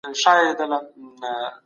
مغول د اسلام په مقدس دین مشرف سول.